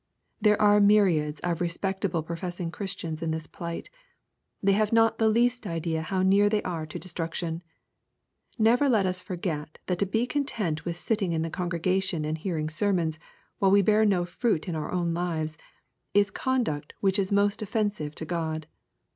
There are myriads of respect able professing Christians in this plight. They have not the least idea how near they are to destruction. Never let us forget that to be content with sitting in the congrega tion and hearing sermons, while we bear no fruit in our lives, is conduct which is most offensive to God.